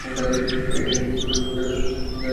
এই ট্রেন দক্ষিণ পূর্ব রেল জোনের অন্তর্গত।